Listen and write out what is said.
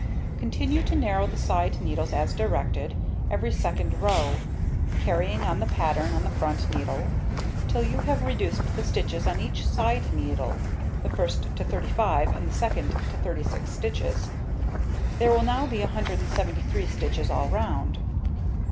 Continue to narrow the side needles, as directed, every second row, carrying on the pattern on the front needle, till you have reduced the stitches on each side needle, the first to 35, and the second to 36 stitches. There will now be 173 stitches all round.